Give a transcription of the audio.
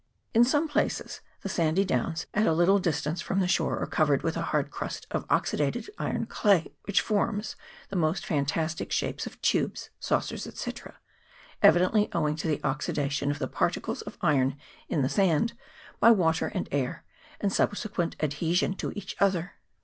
In some places the sandy downs at a little distance from the shore are covered with a hard crust of oxydated iron clay, which forms the most fantastic shapes of tubes, saucers, &c., evidently owing to the oxydation of the particles of iron in the sand by water and air, and subsequent adhesion to each other.